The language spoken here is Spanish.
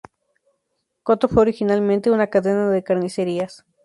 Coto fue originalmente una cadena de carnicerías.